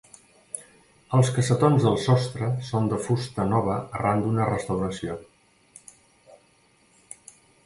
Els cassetons del sostre són de fusta nova arran d'una restauració.